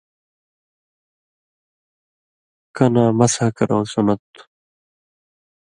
کناں مسح کَرٶں سنت تھُو۔